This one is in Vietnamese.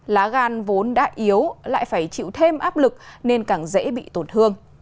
lá gan vốn đã yếu lại phải chịu thêm áp lực nên càng dễ bị tổn thương